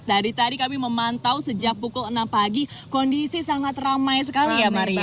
dari tadi kami memantau sejak pukul enam pagi kondisi sangat ramai sekali ya maria